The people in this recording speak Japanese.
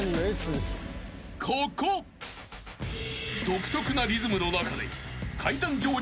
［独特なリズムの中で］